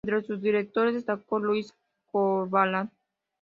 Entre sus directores destacó Luis Corvalán.